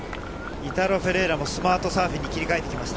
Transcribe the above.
イタロ・フェレイラもスマートサーフィンに切り替えてきました。